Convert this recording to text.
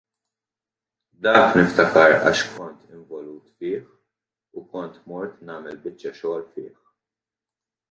Dak niftakar għax kont involut fih u kont mort nagħmel biċċa xogħol fih.